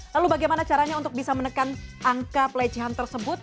lalu bagaimana caranya untuk bisa menekan angka pelecehan tersebut